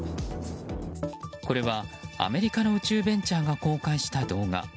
これは、アメリカの宇宙ベンチャーが公開した動画。